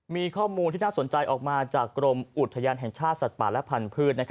มีข้อมูลที่น่าสนใจออกมาจากกรมอุทยานแห่งชาติสัตว์ป่าและพันธุ์